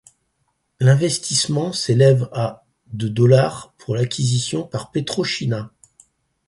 L’investissement s’élève à de dollars pour l’acquisition par PetroChina.